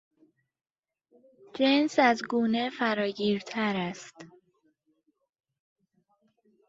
جنس از گونه فراگیرتر است.